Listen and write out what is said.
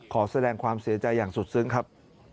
ขอแสดงความเสียใจอย่างสุดซึ้งครับ